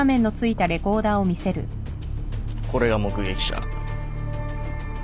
これが目撃者。